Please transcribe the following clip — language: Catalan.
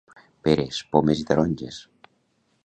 Peres, pomes i taronges.